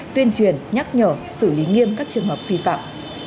tuyên truyền nhắc nhở xử lý nghiêm các trường hợp vi phạm